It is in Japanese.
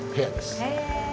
へえ。